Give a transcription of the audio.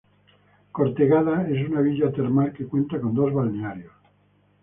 Cortegada es una villa termal, que cuenta con dos balnearios.